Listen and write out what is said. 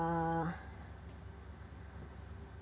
untuk tahun ini